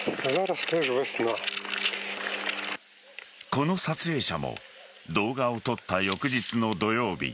この撮影者も動画を撮った翌日の土曜日